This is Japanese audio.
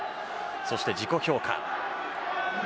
そして自己評価。